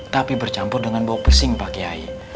tapi bercampur dengan bau persing pak kiai